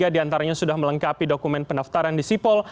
tiga diantaranya sudah melengkapi dokumen pendaftaran di sipol